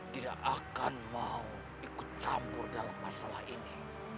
tidak akan mau ikut campur dalam masalah ini